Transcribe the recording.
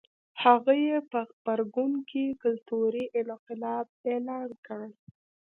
هغه یې په غبرګون کې کلتوري انقلاب اعلان کړ.